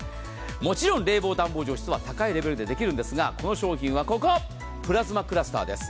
もちろん冷房、暖房、除湿は高いレベルでできるんですがこの商品はプラズマクラスターです。